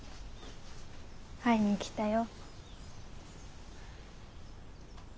会いに来たよ。